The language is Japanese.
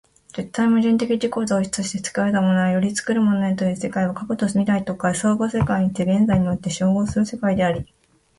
絶対矛盾的自己同一として作られたものより作るものへという世界は、過去と未来とが相互否定的に現在において結合する世界であり、